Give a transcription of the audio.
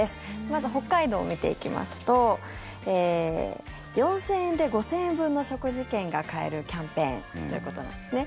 まず北海道、見ていきますと４０００円で５０００円分の食事券が買えるキャンペーンということなんですね。